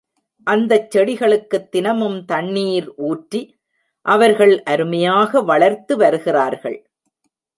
அந்தச் செடிகளுக்குத் தினமும் தண்ணீர் ஊற்றி, அவர்கள் அருமையாக வளர்த்து வருகிறார்கள்.